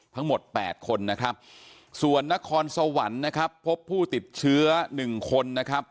ทั้งหมด๘คนนะครับส่วนนครสวรรค์นะครับพบผู้ติดเชื้อ๑คนนะครับ